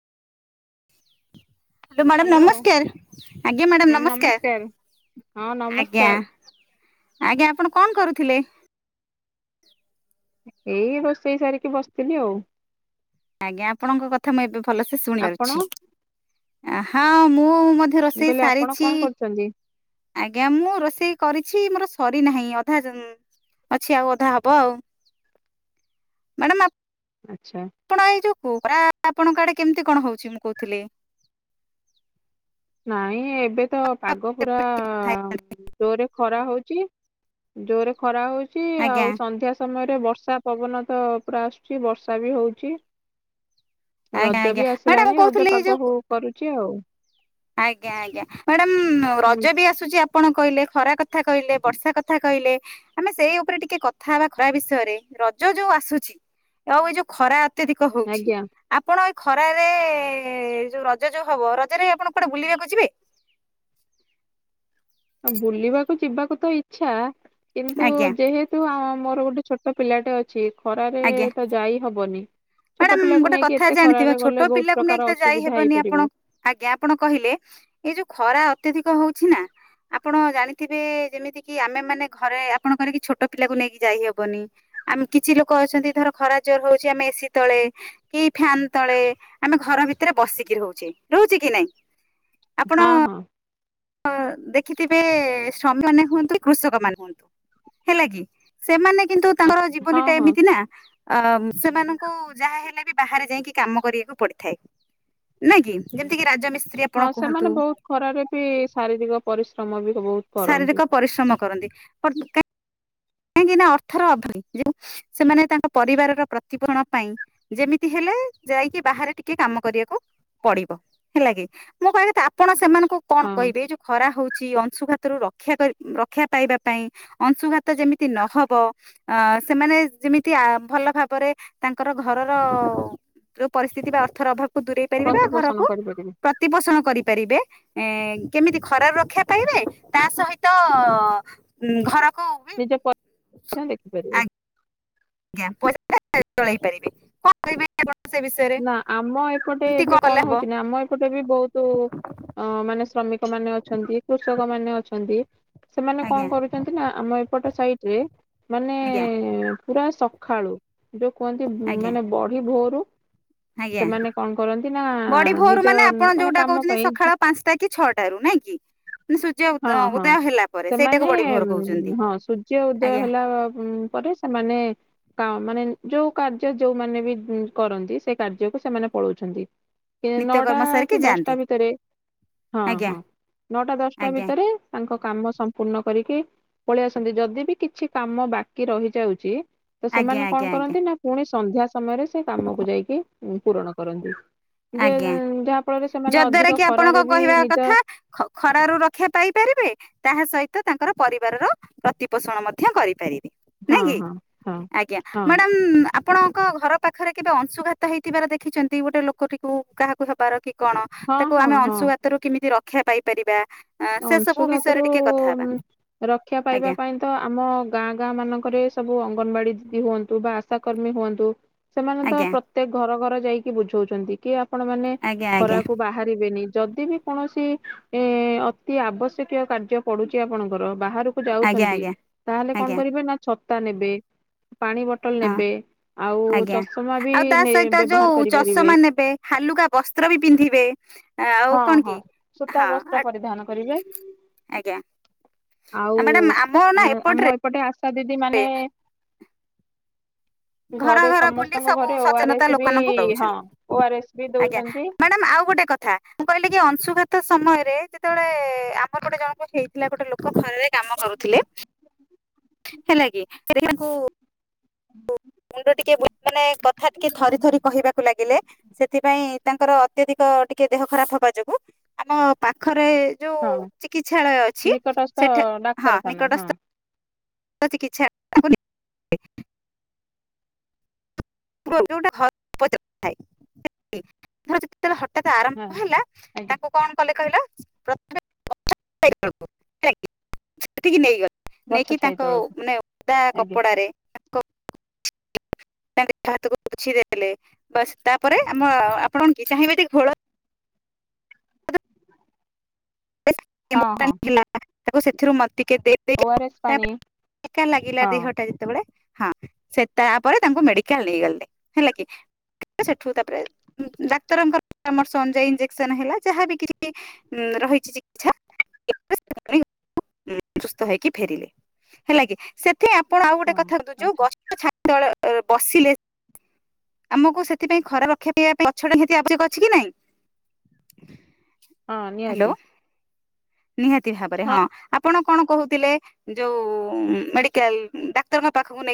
Hello madam hello ନମସ୍କାର ଆଜ୍ଞା madam ma'am ନମସ୍କାର ହଁ ନମସ୍କାର ଆଜ୍ଞା। ନମସ୍କାର ଆଜ୍ଞା ଆପଣ କନ କରୁଥିଲେ? ଏଇ ରୋଷେଇ ସାରିକି ବସିଥିଲି ଆଉ। ଆଜ୍ଞା ଆପଣଙ୍କ କଥା ମୁଁ ଏବେ ଭଲସେ ଆପଣ ଶୁଣିପାରୁଛି ହଁ ମୁଁ ମ ଧ୍ୟ ମୁଁ ରୋଷେଇ କହିଲି ଆପଣ ସାରିଛି। କଣ କରୁଛନ୍ତି ଆଜ୍ଞା ମୁଁ ରୋଷେଇ କରିଛି ମୋର ସରି ନାହିଁ ଅଧା ଜ ଅଛି ଆଉ ଅଧା ହବ ଆଉ। ମାଡ଼ାମ୍ ଆ ଆଚ୍ଛା। ପଣ ଏଇ ଯୋଉ କୋ ଗ୍ରା ଆପଣଙ୍କ ଆଡ଼େ କେମିତି କଣ ହଉଛି ମୁଁ କହୁଥିଲି? ନାଇଁ ଏବେ ତ ପାଗ ପୁରା ଜୋରେ ଖରା ହଉଚି ଜୋରେ ଖରା ହଉଚି ଆଜ୍ଞା ଆଉ ସନ୍ଧ୍ୟା ସମୟରେ ବର୍ଷା ପବନ ତ ପୁରା ଆସୁଚି ବର୍ଷା ବି ହଉଚି। ଆଜ୍ଞା ରଜ ଆଜ୍ଞା ବି ମ୍ୟାଡାମ ଆସିଲାଣି ମୁଁ ରଜ କହୁଥିଲି ଏଇ ପାଗ ଯୋଉ ହୋଉ କରୁଚି ଆଉ। ଆଜ୍ଞା ଆଜ୍ଞା ମାଡ଼ାମ୍ ହୁଁ ରଜ ବି ଆସୁଚି ଆପଣ କଇଲେ ଖରା କ କଥା କହିଲେ ବର୍ଷା କଥା କହିଲେ ଆମେ ସେଇ ଉପରେ ଟିକେ କଥା ହେବା ଖରା ବିଷୟରେ ରଜ ଯୋଉ ଆସୁଛି ଆଉ ଏଇ ଯୋଉ ଖରା ଅତ୍ୟଧିକ ହଉଛି ଆଜ୍ଞା ଆପଣ ଏଇ ଖରାରେ ଯୋଉ ରଜ ଯୋଉ ହବ ରଜରେ ଆପଣ କୁଆଡ଼େ ବୁଲିବାକୁ ଯିବେ? ବୁଲିବାକୁ ଯିବାକୁ ତ ଇଚ୍ଛା କିନ୍ତୁ ଆଜ୍ଞା ଯେହେ ତୁ ମୋର ଗୋଟେ ଛୋଟ ପିଲାଟେ ଅଛି ଖରାରେ ଆଜ୍ଞା ତ ଯାଇ ହବନି ଛୋଟ ମ୍ୟାଡାମ ପିଲାକୁ ଗୋଟେ ନେଇକି କଥା ଏତେ ଜାଣିଥିବେ ଖରାରେ ଛୋଟ ଗଲେ ବହୁତ ପିଲାକୁ ନେଇକି ପ୍ରକାର ତ ଯାଇ ଅସୁବିଧା ହେବନି ଆପଣ ହେଇପାରିବ। ଆଜ୍ଞା ଆପଣ କହିଲେ ଏଇ ଯୋଉ ଖରା ଅତ୍ୟଧିକ ହଉଛି ନା ଆପଣ ଜାଣିଥିବେ ଯେମିତି କି ଆମେ ମାନେ ଘରେ ଆପଣଙ୍କର କି ଛୋଟ ପିଲାକୁ ନେଇକି ଯାଇହବନି ଆମେ କିଛି ଲୋକ ଅଛନ୍ତି ଧର ଖରା ଜୋର ହଉଛି ଆମେ ଏ ସି ତଳେ କି ଫ୍ୟାନ ତଳେ ଆମେ ଘର ଭିତରେ ବସିକି ରହୁଛେ ରହୁଛେ କି ନାଇଁ? ହଁ ହଁ। ହ ଦେଖିଥିବେ ଶ୍ରମିକ ମାନେ ହୁଅନ୍ତୁ କି କୃଷକ ମାନେ ହୁଅନ୍ତୁ ହେଲା କି ସେମାନେ କିନ୍ତୁ ତାଙ୍କର ଆଛା ହଁ ଜୀବନୀ ଟା ହଁ ଏମିତି ନା ଅ ସେମାନଙ୍କୁ ଯାହା ହେଲେ ବି ବାହାରେ ଯାଇକି କାମ କରିବାକୁ ପଡ଼ିଥାଏ। ନାଇଁ କି ଯେମିତି କି ରାଜ ମିସ୍ତ୍ରୀ ହଁ ସେମାନେ ବହୁତ ଖରାରେ ବି ଶାରୀରିକ ପରିଶ୍ରମ ବି ବହୁତ କରନ୍ତି। ଶାରୀରିକ ପରିଶ୍ରମ କରନ୍ତି। [unintelligible] କାହିଁକି ନା ଅର୍ଥର ଅଭବ ଯୋଉ ସେମାନେ ତାଙ୍କ ପରିବାରର ପ୍ରତିପୋଷଣ ପାଇଁ ଯେମିତି ହେଲେ ଯାଇକି ବାହାରେ ଟିକେ କାମ କରିବାକୁ ପଡ଼ିବ ହେଲା କିି ମୁଁ କହିବା କଥା ଆପଣ ସେମାନଙ୍କୁ କଣ ହଁ କଇବେ ଏ ଯୋଉ ଖରା ହଉଚି ଅଂଶୁଘାତରୁ ରକ୍ଷା କରି ଉଁ ଉଁ ରକ୍ଷା ପାଇବା ପାଇଁ ଅଂଶୁଘା ତ ଯେମିତି ନ ହବ ଆ ସେମାନେ ଯେମିତି ଆ ଭଲ ଭାବରେ ତାଙ୍କର ଘରର ଯୋଉ ପରିସ୍ତିତି ବା ଅର୍ଥର ଅଭାବକୁ ଦୂରେଇ ପାରିବେ ବା ପ୍ରତିପୋଷଣ ଘରକୁ କରିପାରିବେ ପ୍ରତିପୋଷଣ କରିପାରିବେ ଏଁ କେମିତି ଖରାରୁ ରକ୍ଷା ପାଇବେ ତା ସହିତ ଉଁ ଘରକୁ ବି ଏ ଯୋଉ ପ [unintelligible] ଦେଖି ପାରିବେ ଆଜ୍ଞା ପଇସା [unintelligible] ଲେ [unintelligible] ଚଳେଇ ପାରିବେ କହିବେ ଆପଣ ସେ ବିଷୟରେ ନା ଆମ ଏପଟେ ଏମିତି ଏବେ କଲେ କଣ ହବ? ହଉଚି ନା ଆମ ଏ ପଟେ ବି ବୋହୁତ ଅ ମାନେ ଶ୍ରମିକମାନେ ଅଛନ୍ତି କୃଷକମାନେ ଅଛନ୍ତି ସେମାନେ ଆଜ୍ଞା କଣ କରୁଚନ୍ତି ନା ଆମ ଏପଟ ସାଇଟରେ ମାନେ ଆଜ୍ଞା ପୁରା ସଖାଳୁ ଯୋଉ କୁହନ୍ତି ଉଁ ଆଜ୍ଞା ମାନେ ବଢି ଭୋରୁ ଆଜ୍ଞା ସେମାନେ କଣ କରନ୍ତି ନା ବଡି ଭୋରୁ ନିଜ ମାନେ ଆପଣ ଯୋଉଟା କାମ କହୁଚିନ୍ତି ପାଇଁ ସଖାଳ ପାଞ୍ଚଟା କି ଛଅଟାରୁ ନାଇଁ କି ହଁ ହଁ ଉଦୟ ହେଲା ପରେ ସେଇଟାକୁ ସେମାନେ ବଡି ଭୋର କହୁଛନ୍ତି ଉଁ ହଁ ସୂର୍ଯ୍ୟ ଉଦୟ ଆଜ୍ଞା ହେଲା ଉଁ ପରେ ଏ ମାନେ ତ ମାନେ ଯୋଉ କାର୍ଯ୍ୟ ଯୋଉମାନୋ ବି ଉଁ କରନ୍ତି ସେ କାର୍ଯ୍ୟକୁ ସେମାନେ ପଳଉଛନ୍ତି [inaudible] କିଏ ନଅଟା କର୍ମ ସାରିକି କିଏ ଯାଆନ୍ତି। ଦଶଟା ଭିତେରେ ହଁ ଆଜ୍ଞା ହଁ ନଅଟା ଦଶ ଆଜ୍ଞା ଇ ତାଙ୍କ କାମ ସମ୍ପୂର୍ଣ୍ଣ କରିକି ପଳେଇ ଆସନ୍ତି ଯଦି ବି କିଛି କାମ ବାକି ରହିଯାଉଚି ତ ଆଜ୍ଞା ସେମାନେ ଆଜ୍ଞା କଣ ଆଜ୍ଞା କରନ୍ତି ନା ପୁଣି ସନ୍ଧ୍ୟା ସମୟରେ ସେ କାମକୁ ଯାଇକି ଉଁ ପୂରଣ କରନ୍ତି ଯେ ଆଜ୍ଞା ଉଁ ଯାହା ଫଳରେ ସେମାନେ ଅଧିକ ଖରାରେ ବି ନିଜ ଖ ଖରାରୁ ରକ୍ଷା ପାଇପାରିବେ ତାହା ସହିତ ତାଙ୍କର ପରିବାରର ପ୍ରତିପୋଷଣ ମଧ୍ୟ କରିପାରିବେ ହଁ ନାଇଁ କି ହଁ ହଁ ଆଜ୍ଞା ହଁ ମ୍ୟାଡାମ୍ ଆ ପଣଙ୍କ ଘର ପାଖରେ କେବେ ଅଂଶୁଘାତ ହେଇଥିବାର ଦେଖିଚନ୍ତି ଗୋଟେ ଲୋକଟିକୁ କାହାକୁ ହେବାର କି କଣ ହଁ ତାକୁ ହଁ ଆମେ ହଁ ଅଂଶୁଘାତରୁ କିମିତି ରକ୍ଷା ପାଇପାରିବା ଆ, ସେ ସବୁ ବିଷୟରେ ଅଂଶୁଘାତରୁ ଟିକେ କଥା ହେବା ଉଁ ରକ୍ଷା ପାଇବା ଆଜ୍ଞା ପାଇଁ ତ ଆମ ଗାଁ ଗାଁ ମାନଙ୍କରେ ସବୁ ଅଙ୍ଗନବାଡି ଦିଦି ହୁଅନ୍ତୁ ବା ଆଶାକର୍ମୀ ହୁଅନ୍ତୁ। ସେମାନେ ତ ଆଜ୍ଞା ପ୍ରତ୍ୟେକ ଘର ଘର ଯାଇକି ବୁଝଉଚନ୍ତି କି ଆପଣମାନେ ଆଜ୍ଞା ଆଜ୍ଞା ଖରାକୁ ବାହାରିବେନି ଯଦି ବି କୋଣସି ଇଁ-ଇ-ଇ ଅ ଅତି ଆବଶ୍ୟକୀୟ କାର୍ଯ୍ୟ ପଡୁଚି ଆପଣଙ୍କର ବାହାରକୁ ଆଜ୍ଞା ଯାଉଛନ୍ତି ଆଜ୍ଞା ତାହେଲେ କଣ ଆଜ୍ଞା କରିବେ ନା ଛତା ନେବେ, ପାଣି ବଟ୍ ଟଲ୍ ହଁ ନେବେ ଆଉ ଆଜ୍ଞା ଚଷମା ବି ଆଉ ତା ନେ ସହିତ ବ୍ୟବହାର ଯୋଉ କରିପାରିବେ। ଚଷମା ନେବେ ହାଲୁକା ବସ୍ତ୍ର ବି ପିନ୍ଧିବେ ଆଉ କଣ କି ହଁ ଆ ଆଜ୍ଞା ରିଜାଇନ୍ ମ୍ୟାଡାମ ଆଉ-ଉ-ଉ ଆମ ନା ଉଁ ଏପଟରେ ଆମ ଏପଟେ ଆଶା ଦିଦି ମାନେ-ଏ-ଏ [inaudible] ଘର ଘରେ ଘର ବୁଲି ସମସ୍ତଙ୍କ ସବୁ ଘରେ ଓ ଆର ସଚେନତା ଏସ୍ ବି ଲୋକାନଙ୍କୁ ହଁ ଓ ଦଉଛନ୍ତି। ଆର ଏସ୍ ବି ଆଜ୍ଞା ଦଉଛନ୍ତି। ମ୍ୟାଡାମ୍ ଆଉ ଗୋଟେ କ ଥା ମୁଁ କହିଲି କି ଅଂଶୁଘାତ ସମୟରେ ଯେତେବେଳେ-ଏ-ଏ ଆମ ପଟେ ଜଣଙ୍କର ହେଇଥିଲା ଗୋଟେ ଲୋକ ଖରାରେ କାମ କରୁଥିଲେ ହେଲା କି ସେ [unintelligible] ଙ୍କୁ ଉଁ ଉଁ ମୁଣ୍ଡ ଟିକେ ବୁ ମାନେ କଥା ଟିକେ ଥରି ଥରି କହିବା କୁ ଲାଗିଲେ ସେଥିପାଇଁ ତାଙ୍କର ଅତ୍ୟଧିକ ଟିକେ ଦେହ ଖରାପ ହବା ଯୋଗୁ ଆମ ପାଖରେ ଯୋଉ ହଁ ଚିକିତ୍ସାଳୟ ଅଛି ନିକଟସ୍ଥ ସେଠା ହଁ ଡାକ୍ତରଖାନା ନିକଟସ୍ତ ତ ଚିକିତ୍ସା [unintelligible] [unintelligible] ଥାଏ [unintelligible] ଧର ଯେତେଳେ ହଟାତ୍ ହଁ ଆରମ୍ଭ ହେଲା ଆଜ୍ଞା ତାଙ୍କୁ କଣ କଲେ କହିଲେ ପ୍ର [unintelligible] ହେଲା କି ସେଠିକି ନେଇଗଲେ। ଗଛ ନେଇକି ଛାଇ ତାଙ୍କ, ତଳକୁ ମାନେ ଓଦା ଆଜ୍ଞା କପଡ଼ାରେ ତାଙ୍କ [unintelligible] ହାତକୁ ପୋଛିଦେଲେ। ବାସ ତାପରେ ଆମ ଆପଣ କି ଚାହିଁବେ, ଯଦି ଘୋଳ ହଁ [unintelligible] ହଁ ତାକୁ ସେଥିରୁ ମୋତେ ଟିକେ ଦେ ଓ [unintelligible] ଆର ଏସ୍ ପାଣି ତାପରେ, ଏକା ଲାଗିଲା ହଁ ଦେହଟା ଯେତେବେଳେ ହଁ, ସେ ତାପରେ ତାଙ୍କୁ ମେଡିକାଲ ନେଇଗଲେ। ହେଲା କି। ସେଠୁ ତାପରେ ଡାକ୍ତରଙ୍କ ପରାମର୍ଶ ଅନୁଯାୟୀ ଇଞ୍ଜେକ୍ସନ ହେଲା, ଯାହାବି କିଛି ଉମ୍-ମ୍ ରହି [unintelligible] ସୁସ୍ଥ ହେଇକି ଫେରିଲେ। ହେଲା କି ସେ ଥି ଆପଣ ଆଉ ଗୋଟେ ହଁ କଥା କୁହନ୍ତୁ ଯୋଉ ଆଛା ଗଛ ଛାତ ତଳେ ଏ-ଏ-ଏ ବସିଲେ ଆମକୁ ସେଥିପାଇଁ, ଖରା ରକ୍ଷା ପାଇବା ପାଇଁ, ଗଛଟା ନିହାତି ଆବଶ୍ୟକ ଅଛି କି ନାଇଁ? ହଁ, ହ୍ୟାଲୋ ନିହାତି। ନିହାତି ଭାବରେ, ହଁ ଆ ଆପଣ କଣ କହୁଥିଲେ? ଯୋଉ-ଉ-ଉ ମେଡିକାଲ, ଡାକ୍ତରଙ୍କ ପାଖକୁ ନେଇ